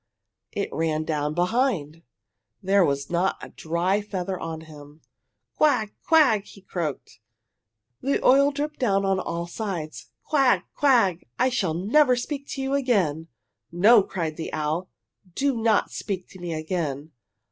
It ran down behind! There was not a dry feather on him! "Quag! Quag!" croaked he, the oil dripping down on all sides. "Quag! Quag! I shall never speak to you again!" "No," cried the owl. "Do not speak to me again.